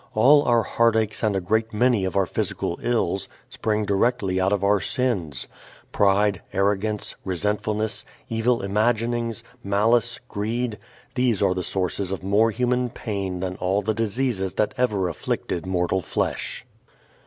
All our heartaches and a great many of our physical ills spring directly out of our sins. Pride, arrogance, resentfulness, evil imaginings, malice, greed: these are the sources of more human pain than all the diseases that ever afflicted mortal flesh.